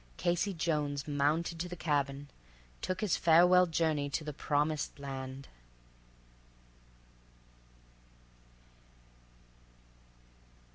Casey Jones—mounted to the cab un Took his farewell journey to the prom ised land."